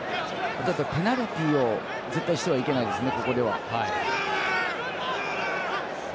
ペナルティを絶対してはいけないですね。